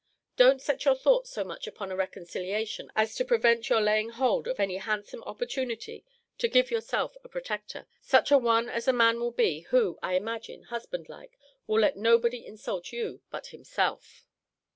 Don't set your thought so much upon a reconciliation as to prevent your laying hold of any handsome opportunity to give yourself a protector; such a one as the man will be, who, I imagine, husband like, will let nobody insult you but himself.